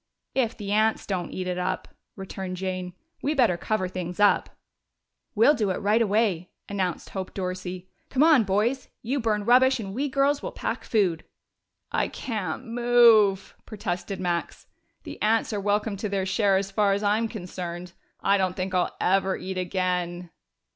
"If the ants don't eat it up," returned Jane. "We better cover things up." "We'll do it right away," announced Hope Dorsey. "Come on, boys! you burn rubbish, and we girls will pack food." "I can't move," protested Max. "The ants are welcome to their share as far as I'm concerned. I don't think I'll ever eat again."